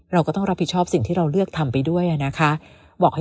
เราก็ต้องรับผิดชอบสิ่งที่เราเลือกทำไปด้วยนะคะบอกให้